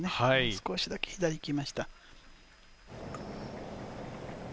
少しだけ左に行きました。